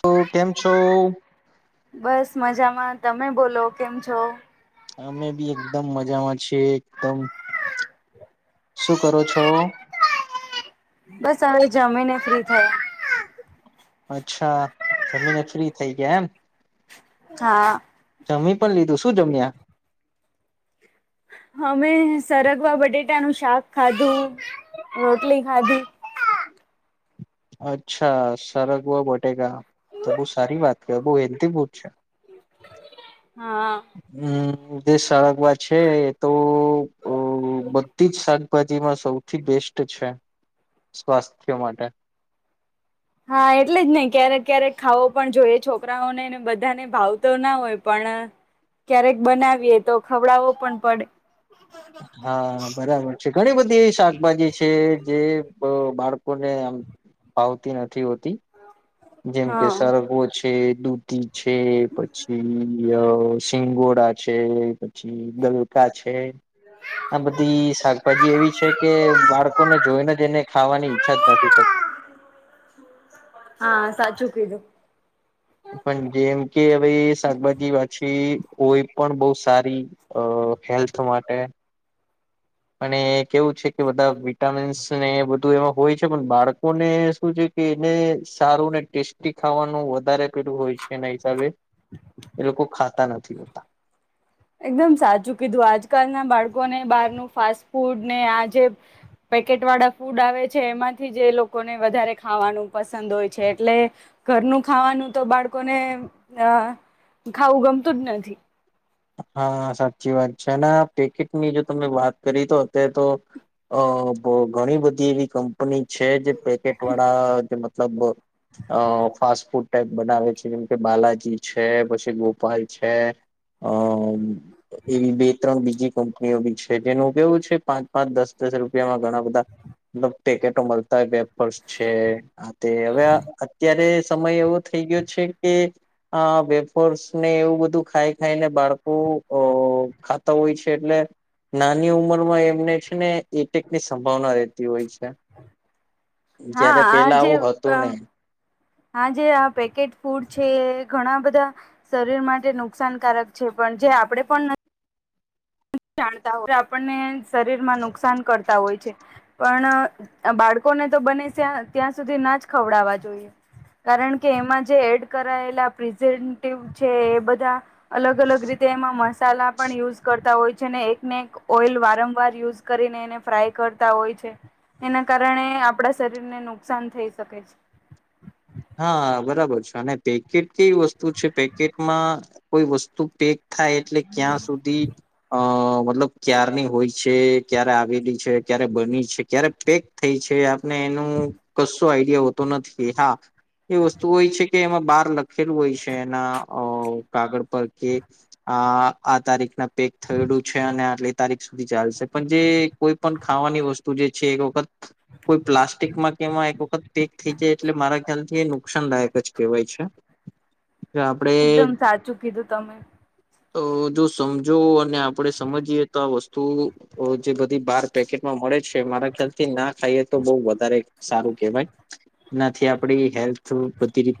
તો કેમ છો? હા, તમે બોલો કેમ છો? અમે બી એકદમ મજામાં છે, તમ શું કરો છો? બસ હવે, જમીને ફ્રી થયા અચ્છા જમીને ફ્રી થઇ ગયા, એમ? હા. જમી પણ, લીધું શું જમ્યા? અમે સરગવા બટેટા નું શાક ખાધું, રોટલી ખાધી [inaudible] અચ્છા સરગવા બટેકા, તો બો સારી વાત કેવાય બો હેલ્થી ફૂડ છે. હા હમ, દેશ સળગવા છે, એ તો અ બધી સાક ભાજીમા સૌથી બેસ્ટ છે, સ્વાસ્થ્ય માટે હા, એટલે જ નય ક્યારેક ક્યારેક, ખાવો પણ જોઈએ, છોકરાઓને ને બધાને ભાવ તો ના હોય, પણ ક્યારેક બનાવીએ, તો ખવડાવો પણ પડે હા, બરાબર છે. ઘણી, બધી એવી શાકભાજી છે, જે બ બાળકો ને આમ ફાવતી નથી, હોતી જેમ કે હા સરગવો છે. દૂધી છે, પછી અ સિંગોડા છે, પછી ગલકા એ આ બધી શાકભાજી એવી છે કે બાળકોને જોઈને જ એને ખાવાની ઈચ્છા જ નથી થતી [inaudible] આ [unintelligible] પણ જેમ કે હવે શાકભાજી પાછી કોઈ પણ બોવ સારી અ હેલ્થ માટે અને કેવું છે કે બધા વિટામીન્સ ને બધું એમાં હોય છે પણ બાળકોને શું છે કે એને સારું ને ટેસ્ટી ખાવાનું વધારે પેલું હોય છે એના હિસાબે એ લોકો ખાતા નથી હોતા એકદમ સાચું કીધું આજકાલના બાળકોને બહારનું ફાસ્ટ ફૂડ ને આજે પેકેટ વાળા ફૂડ આવે છે એમાંથી જે એ લોકોને વધારે ખાવાનું પસંદ હોય છે એટલે ઘરનું ખાવાનું તો બાળકોને અ ખાવું ગમતું જ નથી. હા સાચી વાત છે અને પેકેટની જો તમે વાત કરી તો અત્યારે તો અ ઘણી બધી એવી કંપની છે જે પેકેટ વાળા મતલબ અ ફાસ્ટ ફૂડ ટાઈપ બનાવે છે જેમ કે બાલાજી છે પછી ગોપાલ છે અ એવી બે ત્રણ બીજી કંપનીઓ બી છે જેનો ઉપયોગ છે પાંચ પાંચ દસ દસ રૂપિયામાં ઘણા બધા મટલબ પેકેટો મળતા હોય પેપર્સ છે આ તે હવે અત્યારે સમય એવો થઈ ગયો છે કે આ વેફર્સને એવું બધું ખાય ખાયને બાળકો અ ખાતા હોય છે એટલે નાની ઉમરમાં એમને છે ને એટેકની સંભાવના રહેતી હોય છે. હા જયારે આ પેલા જે આવું હતું અ નહી હા જે આ પેકેટ ફૂડ છે ઘણા બ ધા શરીર માટે નુકસાનકારક છે પણ જે આપણેે પણ જાણતા હોય આપણને શરીરમાં નુકસાન કરતા હોય છે પણ અ બાળકો ને તો બને ત્યા ત્યાં સુધી ના જ ખવડાવવા જોઈએ કારણ કે એમાં જે એડ કરાયેલા પ્રિઝર્વેટિવ છે એ બધા અલગ અલગ રીતે તેમાં મસાલા પણ યુઝ કરતા હોય તે છેને એકને એક ઓઈલ વારંવાર યુઝ કરીને એને ફ્રાય કરતા હોય છે એના કારણે આપણા શરીરને નુકસાન થઈ શકે છે [inaudible] હા બરાબર છે અને પેકેટ કેવી વસ્તુ છે પેકેટમાં કોઈ વસ્તુ પે થાય એટલે ક્યાં સુધી અ મતલબ ક્યારની હોય છે ક્યારે આવેલી છે ક્યારે બની છે ક્યારે પેક થઈ છે આ ને એનું કશો આઈડિયા હોતો નથી હા એ વસ્તુ હોય છે કે એમાં બાર લખેલું હોય છે એના અ કાગળ કે આ આ તારીખ ના પેક થયેલું છે અને આટલી તારીખ સુધી ચાલશે પણ જે કોઈ પણ ખાવાની વસ્તુ જે છે એક વખત કોઈ પ્લાસ્ટિકમાં કેમાં એક વખત પેક થઈ જાય એટલે મારા ખ્યાલ એ નુકસાનદાયક જ કેહવાય છે એકદમ આપણે સાચું કીધું તમે તો જો સમજો અને આપણેે સમજીએ તો આ વસ્તુ અ જે બધી બાર પેકેટમાં મળે છે મારા ખ્યાલ થી ના ખાઈએ તો બહું વધારે સારું કેહવાય એનાથી આપડી હેલ્થ બધી રીતે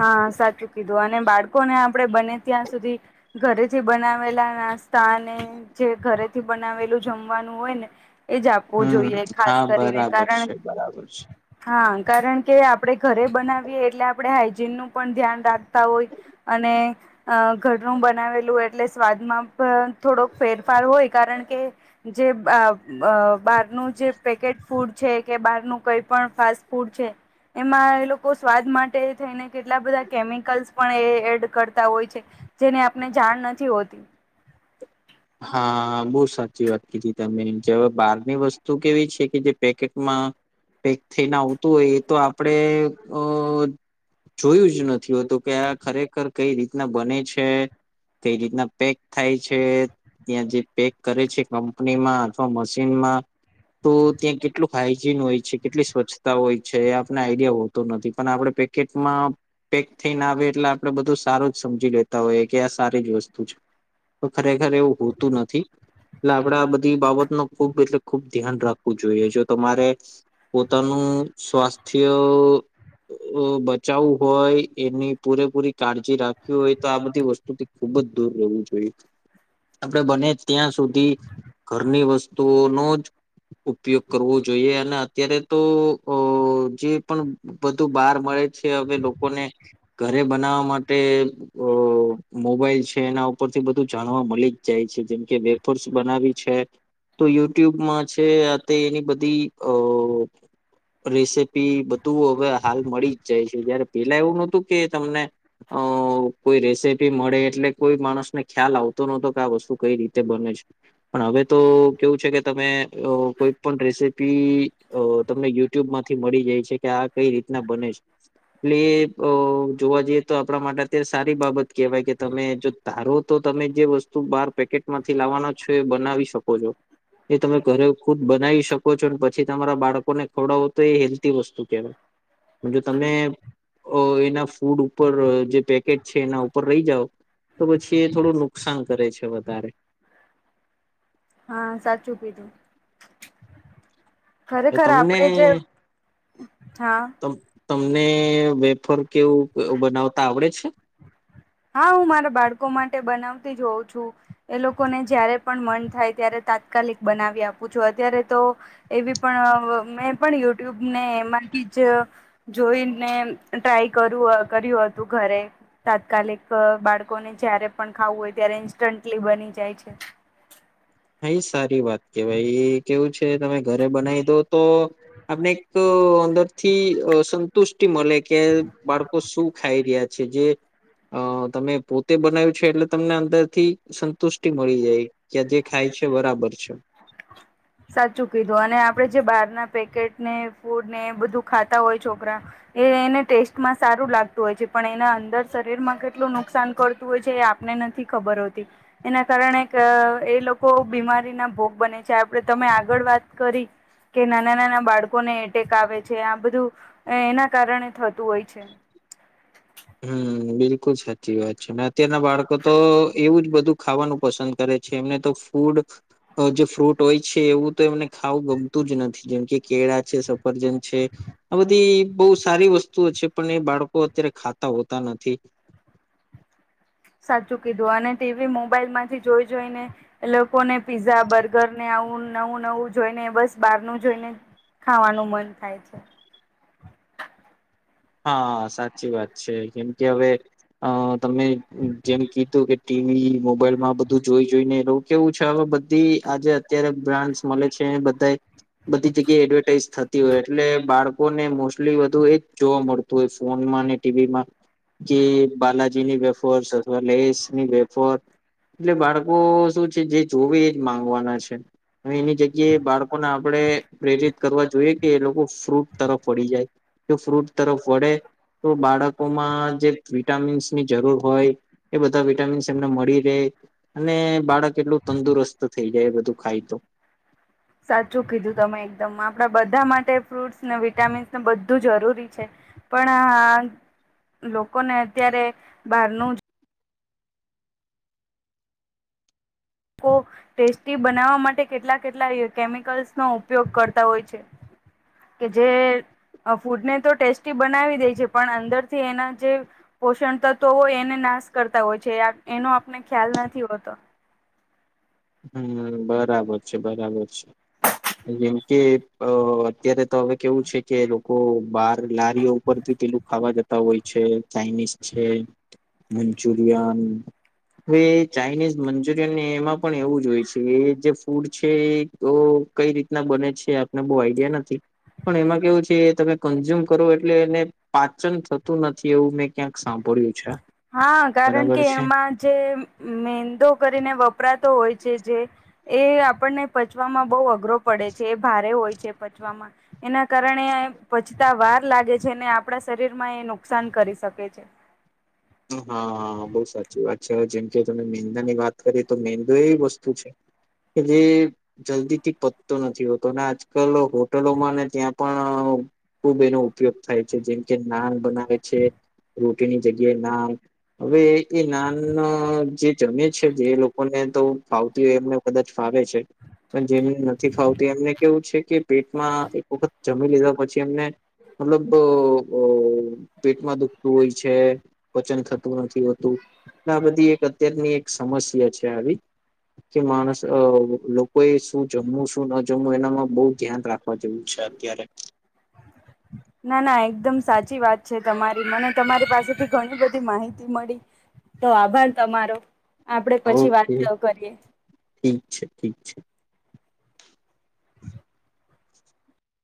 હા સાચું કીધું અને બાળ કોને આપણે બને ત્યાં સુધી ઘરે જે બનાવેલા નાસ્તાને જે ઘરેથી બનાવેલું જમવાનું હોય ને એ જ આપવું હમ જોઈએ હા ખાસ કરીને બરાબર કારણ છે બરાબર છે. હા કારણ કે આપણે ઘરે બનાવીએ એટલે આપણે હાઈજીન નું પણ ધ્યાન રાખતા હોય અને અ ઘરનું બનાવેલું એટલે સ્વાદમાં પણ થોડોક ફેરફાર હોય કારણ કે જે બ અ બારનું જે પેકેટ ફૂડ છે કે બહારનું કઈ પણ ફાસ્ટ ફૂડ છે. એમાં એ લોકો સ્વાદ માટે થઈને કેટલા બધા કેમિકલ્સ પણ એ એડ કરતા હોય છે. જેને આપને જાણ નથી હોતી. [inaudible] હા બહુ સાચી વાત કીધી તમે જે બહારની વસ્તુ કેવી છે કે જે પેકેટમાં પેક થઈને આવતું હોય એ તો આપડે અ જોયું જ નથી હોતું કે આ ખરેખર કઈ રીતના બને છે તે રીતના પેક થાય છે. ત્યાં જે પેક કરે છે કંપનીમાં અથવા મશીનમાં તો ત્યાં કેટલું હાઈજીન હોય છે કેટલી સ્વચ્છતા હોય છે એ આપને આઈડિયા હોતો નથી પણ આપણે પેકેટમાં પેક થઈને આવે એટલે આપણેે બધું સારું જ સમજી લેતા હોઈએ કે આ સારી જ વસ્તુ છે. તો ખરેખર એવું હોતું નથી. એટલે આપડે આ બધી બાબતનું ખુબ એટલે ખુબ ધ્યાન રાખવું જોઈએ જો તમારે, પોતાનું નું સ્વાસ્થ્ય અ બચાવું હોય એની પૂરેપૂરી કાળજી રાખવી હોય તો આ બધી વસ્તુથી ખૂબ જ દૂર રહેવું જોઈએ. આપણે બને ત્યાં સુધી, ઘરની વસ્તુઓનું જ ઉપયોગ કરવો જોઈએ અને અત્યારે તો અ જે પણ બધું બહાર મ મળે છે હવે લોકોને, ઘરે બનાવવા માટે અ મોબાઈલ છે એના ઉ ઉપરથી બધું જાણવા મલી જ જાય છે જેમકે વેફર્સ બનાવવી છે. તો યુટ્યુબમાં છે અ તે એની બધી અ રેસીપી બધું હવે હાલ મળી જ જાય છે જયારે પેલા એવું નતું કે તમને અ કોઈ રેસીપી મળે એટલે કોઈ માણસ ને ખ્યાલ આવતો નહતો આ વસ્તુ કઈ રીતે બને છે, પણ હવે તો કેવું છે કે તમે અ કોઈ પણ રેસીપી અ તમને યુટ્યુબ માંથી મળી જાય છે કે આ કઈ રીતના બને છે. એટલે અ જોવા જઈએ તો આપણા માટે અત્યારે સારી બાબત કેહેવાય કે તમે જો તારો તો તો તમે જે વસ્તુ બાર પેકેટમાંથી લાવવાના છો એ બનાવી શકો છો. એ તમે ઘરે ખુદ બનાવી શકો છો પછી તમારા બાળકોને ખવડાવો તો એ હેલ્ધી વસ્તુ કહેવાય. જો તમે અ એના ફૂડ ઉપર જે પેકેટ છે એના ઉપર રહી જાવ, તો પછી એ થોડું નુકસાન કરે છે વધારે. હા સાચું કીધું. તો ખરેખર તમને આપણે જે, હા. તમ તમને વેફર કેવું બનાવતા આવડે છે? હા હું મારા બાળકો માટે બનાવતી જ હોઉં છું, એ લોકોને જયારે પણ મન થાય ત્યારે તાત્કાલિક બનાવી આપું છું અત્યારે તો, એવી પણ મેં પણ યુટ્યુબ ને એમાં જ, જોઈને ટ્રાય કરુ કર્યું હતું ઘરે, તાત્કાલિક. બાળકોને જયારે પણ ખાવું હોય ત્યારે ઈન્સ્ટન્ટલી બની જાય છે. હા એ સારી વાત કેવાય કેવું છે તમે ઘરે બનાવી દો તો, આપણે એક અંદરથી અ સંતુષ્ટિ મલે કે બાળકો શું ખાઈ રહ્યા છે જે અ તમે પોતે બનાવ્યું છે એટલે તમને અંદર થી સંતુષ્ટિ મળી જાય કે જે ખાય છે બરાબર છે. સાચું કીધું અને આપણે જે બહાર ના પેકેટ ને ફૂડ ને એ બધું ખાતા હોય છોકરા. એ એને ટેસ્ટમાં સારું લાગતું હોય છે પણ એને અંદર શરીરમાં કેટલું નુકસાન કરતું હોય છે એ ને નથી ખબર હોતી, એના કારણે એ લોકો બીમારી ના ભોગ બને છે તમે આગળ વાત કરી કે નાના નાના બાળકોને એટેક આવે છે આ બધું, એના કારણે થતું હોય છે. [inaudible] હમ બિલકુલ સાચી વાત છે અને અત્યારના બાળકો તો એવું જ બધું ખાવાનું પસંદ કરે છે એમને તો ફૂડ અ જે ફ્રૂટ હોય છે એવું તો એમને ખાવું ગમતું જ નથી જેમ કે કેળા છે સફરજન છે. આ બધી બોવ સારી વસ્તુઓ છે પણ એ બાળકો અત્યારે ખા તા હોતા નથી. સાચું કીધું અને ટીવી મોબાઈલમાંથી જોઈ જોઈને એલોકોને પીઝા, બર્ગર ને આવું નવું નવું જોઈને બસ બારનું જોઈને ખાવાનું મન થાય છે. હા સાચી વાત છે જેમ કે હવે અ તમે જેમ કીધું કે ટીવી મોબાઈલમાં બધું જોઈ જોઈને એ લોકો કેવું છે હવે બધી આજે અત્યારે બ્રાન્ડસ મલે છે બધાએ બધી જગ્યાએ એડવર્ટાઈઝ થતી હોય એટલે બાળકોને મોસ્ટલી વધુ એ જોવા મળતું હોય ફોનમાં ને ટીવી માં કે બાલાજીની વેફર્સ લેેશની વેફર એટલે બાળકો શું છે જે જોવે એજ માંગવાના છે. હવે એની જગ્યાએ બાળકોને આપણે પ્રેરિત કરવા જોઈએ કે એ લોકો ફ્રૂટ તરફ વળી જાય. જો ફ્રૂટ તરફ વળે તો બાળકોમાં જે વિટામીન્સની જરૂર હોય એ બધા વિટામીન્સ એમને મળી રેય. અને બાળક એટલું તંદુરસ્ત થઈ જાય એ બધું ખાય તો. સાચું કીધું તમે એકદમ આપણા બધા માટે ફ્રૂટ્સને વિટામિન્સને બધું જરૂરી છે. પણ આ લોકોને અત્યારે બહારનું જ કો ટેસ્ટી બનાવવા માટે કેટલા કેટલા કેમિકલ્સનો ઉપયોગ કરતા હોય છે. કે જે અ ફૂડ ને તો ટેસ્ટી બનાવી દેય છે પણ અંદર થી એના જે પોષણ તત્વ હોય એને ના શ કરતા હોય છે એનો આપને ખ્યાલ નથી હોતો. હમ્મ બરાબર છે બરાબર છે. જેમ કે અ અત્યારે તો હવે કેવું છે કે લોકો બાર લારીઓ ઉપરથી લું ખાવા જતા હોય છે ચાઇનીઝ છે મંચુરિયન હવે ચાઇનીઝ મંચુરિયન ને એમાં પણ એવું જ હોય છે એ જે ફૂડ છે એ કઈ રીતના બને છે આપને બહુ આઈડિયા નથી. પણ એમાં કેવું છે તમે કન્ઝ્યુમ કરો એટલે એને પાચન થતું નથી એવું મેં ક્યાંક સાંભ ળ્યુ છે. હા કારણ બરાબર કે છે. એમાં જે મેંદો કરીને વપરાતો હોય જે એ આપણને પચવામાં બહુ અઘરો પડે છે એ ભારે હોય છે પચવામાં. એના કારણે પચતા વાર લાગે છે ને આપણા શરીરમાં એ નુકસાન કરી શકે છે. હા બહુ સાચી વાત છે હવે જેમ કે તમે મેંદાની વાત કરી તો મેંદો એવી વસ્તુ છે કે જે જલ્દીથી પતતો નથી હોતો અને આજકાલ હોટલોમાં ત્યાં પણ ખૂબ એનો ઉપયોગ થાય છે જેમ કે નાન બનાવે છે રોટીની જગ્યા જે નાન હવે એ નાન જે જમે છે જે એ લોકોને તો ફાવતી હોય એમને કદાચ ફાવે છે પણ જેમને નથી ફાવતી એમને કેવું છે કે પેટમાં એક વખત જમી લીધા પછી એમને મતલબ પેટમાં દુખતું હોય છે. પચન થતું નથી હોતું આ બધી એક અત્યારની એક સમસ્યા છે આવી. કે માણસ અ લોકોએ શું જમવું શું ન જમવું એનામાં બવ ધ્યાન રાખ વા જેવું છે અત્યારે ના ના એકદમ સાચી વાત છે તમારી મને તમારી પાસેથી ઘણી બધી માહિતી મળી. તો આભાર તમારો. આપડે પછી વાત ઓકે કરીએ. ઠીક છે ઠીક છે